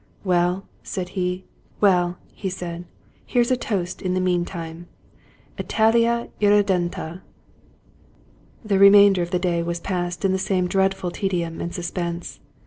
" Well," said he, " here is a toast in the meantime :* Italia irredenta! '" The remainder of the day was passed in the same dreadful tedium and suspense.